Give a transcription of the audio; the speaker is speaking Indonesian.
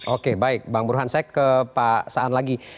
oke baik bang burhan saya ke pak saan lagi